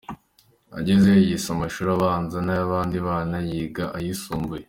Agezeyo yize amashuri abanza nk’abandi bana, yiga ayisumbuye.